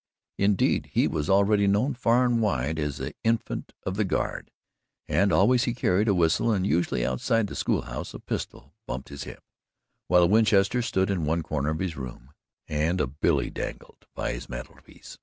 Indeed he was already known far and wide as the Infant of the Guard, and always he carried a whistle and usually, outside the school house, a pistol bumped his hip, while a Winchester stood in one corner of his room and a billy dangled by his mantel piece.